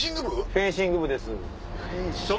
フェンシング部です。